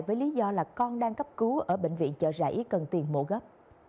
với lý do là con đang cấp cứu ở bệnh viện chợ rẫy cần tiền mổ gấp